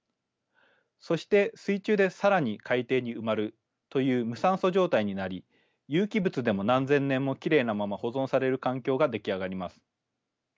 そして水中で更に海底に埋まるという無酸素状態になり有機物でも何千年もきれいなまま保存される環境が出来上がります。